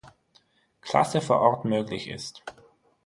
Klasse vor Ort möglich ist.